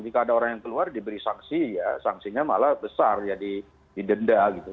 jika ada orang yang keluar diberi sanksi ya sanksinya malah besar ya didenda gitu